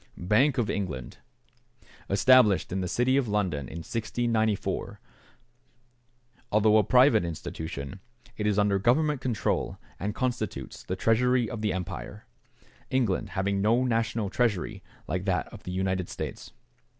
=Bank of England.= Established in the city of London in 1694. Although a private institution, it is under Government control, and constitutes the Treasury of the Empire, England having no national treasury like that of the United States.